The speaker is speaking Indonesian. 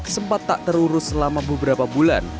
sempat tak terurus selama beberapa bulan